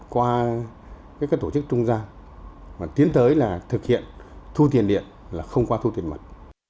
qua các tổ chức trung gian và tiến tới là thực hiện thu tiền điện là không qua thu tiền mật